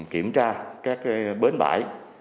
kiểm tra các bến bãi